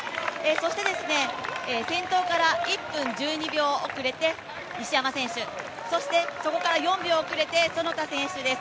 そして先頭から１分１２秒遅れて西山選手、そして、そこから４秒遅れて其田選手です。